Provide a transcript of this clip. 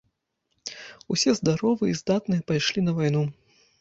Усе здаровыя і здатныя пайшлі на вайну.